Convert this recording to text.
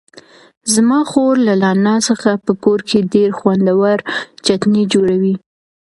زما خور له نعناع څخه په کور کې ډېر خوندور چتني جوړوي.